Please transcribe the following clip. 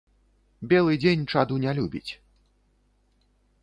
Белы дзень чаду не любіць.